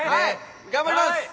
頑張ります。